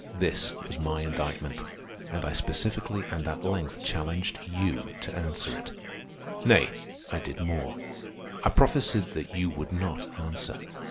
This was my indictment, and I specifically and at length challenged you to answer it. Nay, I did more. I prophesied that you would not answer.